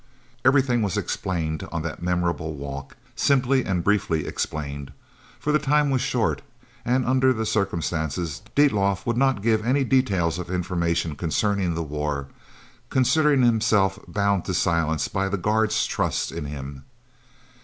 Everything was explained on that memorable walk, simply and briefly explained, for the time was short, and under the circumstances Dietlof would not give any details of information concerning the war, considering himself bound to silence by the guard's trust in him.